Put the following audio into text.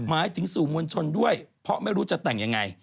หมายถึงสู่มวลชนด้วยเพราะไม่รู้จะแต่งยังไง